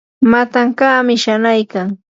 matankaami shanaykan.